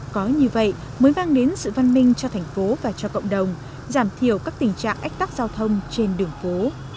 có như vậy mới mang đến sự văn minh cho thành phố và cho cộng đồng giảm thiểu các tình trạng ách tắc giao thông trên đường phố